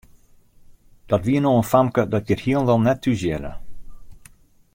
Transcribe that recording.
Dat wie no in famke dat hjir hielendal net thúshearde.